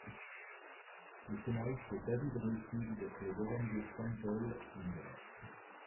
Les scénaristes David Rayfield et Lorenzo Semple, Jr.